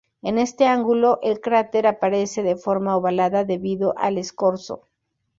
En este ángulo, el cráter aparece de forma ovalada debido al escorzo.